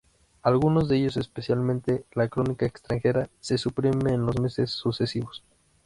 Alguno de ellos, especialmente la Crónica extranjera, se suprime en los meses sucesivos.